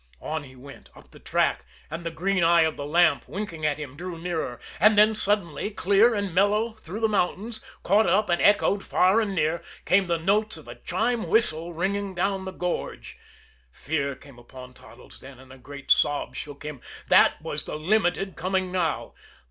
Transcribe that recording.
On he went, up the track; and the green eye of the lamp, winking at him, drew nearer. And then suddenly, clear and mellow through the mountains, caught up and echoed far and near, came the notes of a chime whistle ringing down the gorge. Fear came upon Toddles then, and a great sob shook him. That was the Limited coming now!